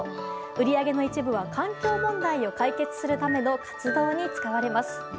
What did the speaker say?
売り上げの一部は環境問題を解決するための活動に使われます。